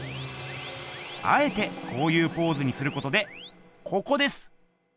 あえてこういうポーズにすることでここです。